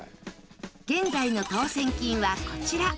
現在の当せん金はこちら。